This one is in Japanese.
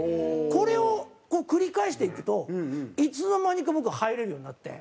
これを繰り返していくといつの間にか僕入れるようになって。